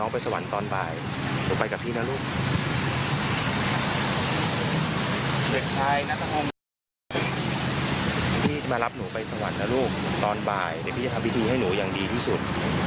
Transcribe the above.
ไปสวรรค์นรูปตอนบ่ายพี่จะทำวิธีให้หนูอย่างดีที่สุด